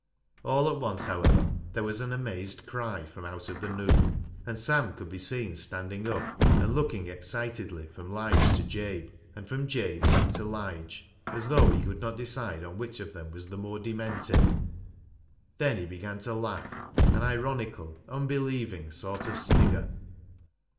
All at once, however, there was an amazed cry from out of the nook, and Sam could be seen standing up, and looking excitedly from Lige to Jabe, and from Jabe back to Lige, as though he could not decide which of them was the more demented. Then he began to laugh — an ironical unbelieving sort of snigger.